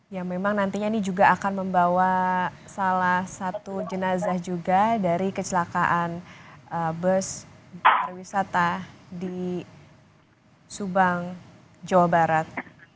yang memang nantinya ini juga akan membawa salah satu jenazah juga dari kecelakaan bus pariwisata di subang jawa barat